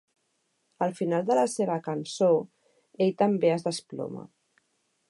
Al final de la seva cançó, ell també es desploma.